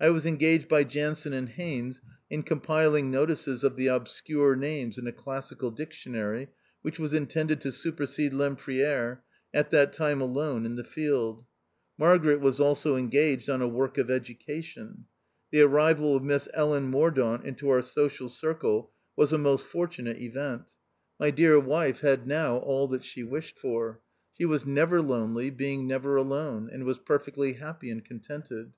I was engaged by Jansen and Haines in com piling notices of the " obscure names "in a Classical Dictionary, which was intended to supersede Lempriere, at that time alone in the field. Margaret was also engaged on a work of education. The arrival of Miss Ellen Mordaunt into our social circle was a most fortunate event : my dear wife had THE OUTCAST. 173 now all that she wished for ; she was never lonely, being never alone ; and was perfectly happy and contented.